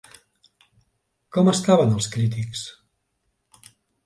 Com estaven els crítics?